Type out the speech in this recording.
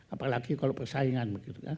apalagi kalau persaingan